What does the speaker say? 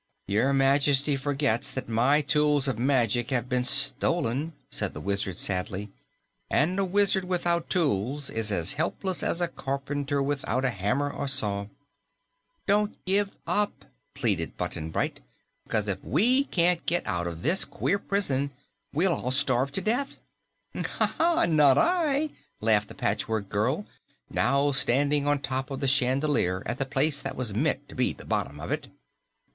"Your Majesty forgets that my tools of magic have been stolen," said the Wizard sadly, "and a wizard without tools is as helpless as a carpenter without a hammer or saw." "Don't give up," pleaded Button Bright, "'cause if we can't get out of this queer prison, we'll all starve to death." "Not I!" laughed the Patchwork Girl, now standing on top of the chandelier at the place that was meant to be the bottom of it.